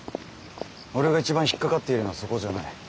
俺が一番引っ掛かっているのはそこじゃない。